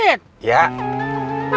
eh dah buka pager lama